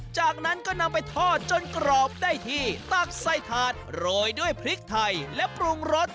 จากนั้นก็นำไปทอดจนกรอบได้ที่ตักใส่ถาดโรยด้วยพริกไทยและปรุงรส